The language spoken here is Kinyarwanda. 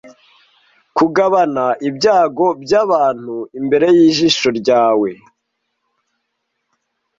Kugabana ibyago byabantu imbere yijisho ryawe--